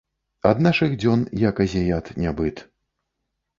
Ад нашых дзён, як азіят, нябыт.